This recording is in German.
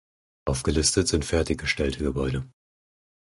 Aufgelistet sind fertiggestellte Gebäude.